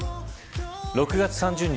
６月３０日